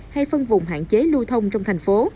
hay phân vùng hạn chế lưu thông trong thành phố